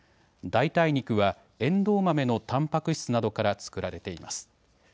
代替肉はエンドウ豆のたんぱく質などから作られています。